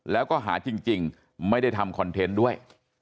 แล้วก็หาจริงไม่ได้ทำคอนเทนต์ด้วย